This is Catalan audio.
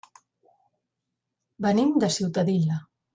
Venim de Ciutadilla.